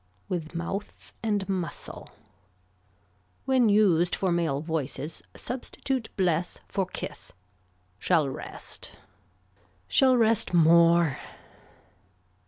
With mouth and muscle. When used for male voices substitute bless for kiss. Shall rest. Shall rest more.